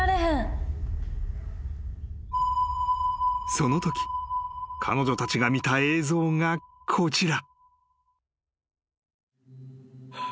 ［そのとき彼女たちが見た映像がこちら］